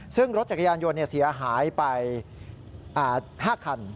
ซึ่งรถจักรยานยนต์เสียหายไป๕คัน